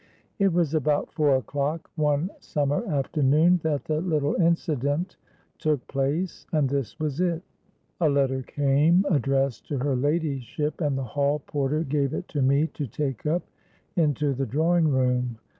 It was about four o'clock, one summer afternoon that the little incident took place; and this was it. A letter came, addressed to her ladyship; and the hall porter gave it to me to take up into the drawing room.